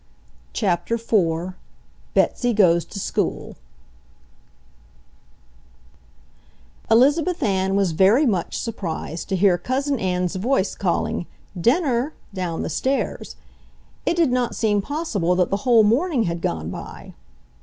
CHAPTER IV BETSY GOES TO SCHOOL Elizabeth Ann was very much surprised to hear Cousin Ann's voice calling, "Dinner!" down the stairs. It did not seem possible that the whole morning had gone by.